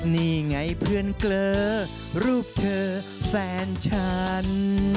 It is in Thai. นี่ไงเพื่อนเกลอรูปเธอแฟนฉัน